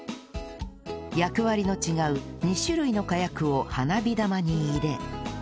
役割の違う２種類の火薬を花火玉に入れ